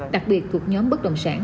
đặc biệt thuộc nhóm bất đồng sản